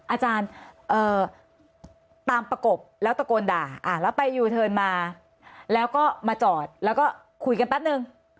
อาจารย์ตามประกบแล้วตะโกนด่าแล้วไปยูเทิร์นมาแล้วก็มาจอดแล้วก็คุยกันแป๊บนึง